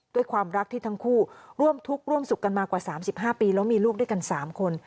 ด้วยความรักที่ทั้งคู่ร่วมทุกข์ร่วมสุขกันมากว่า๓๕ปีแล้วมีลูกด้วยกัน๓คน